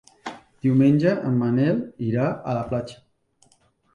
Diumenge en Manel irà a la platja.